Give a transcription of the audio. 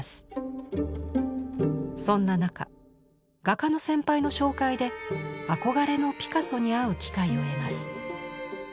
そんな中画家の先輩の紹介で憧れのピカソに会う機会を得ます。